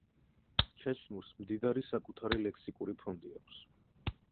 ჩეჩნურს მდიდარი საკუთარი ლექსიკური ფონდი აქვს.